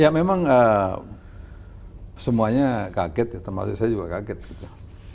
ya memang semuanya kaget ya termasuk saya juga kaget gitu